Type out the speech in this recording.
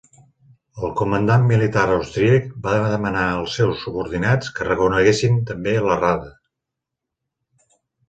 El comandant militar austríac va demanar els seus subordinats que reconeguessin també la Rada.